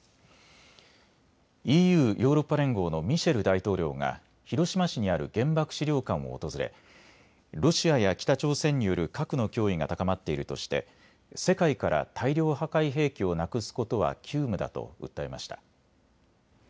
ＥＵ・ヨーロッパ連合のミシェル大統領が広島市にある原爆資料館を訪れロシアや北朝鮮による核の脅威が高まっているとして世界から大量破壊兵器をなくすことは急務だと訴えました。